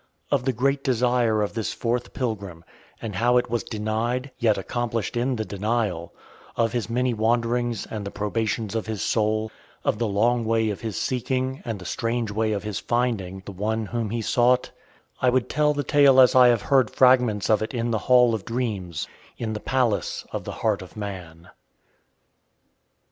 Of the great desire of this fourth pilgrim, and how it was denied, yet accomplished in the denial; of his many wanderings and the probations of his soul; of the long way of his seeking, and the strange way of his finding, the One whom he sought I would tell the tale as I have heard fragments of it in the Hall of Dreams, in the palace of the Heart of Man.